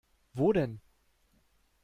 Wo denn?